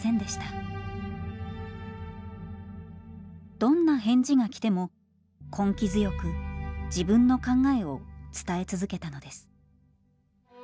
どんな返事が来ても根気強く自分の考えを伝え続けたのです。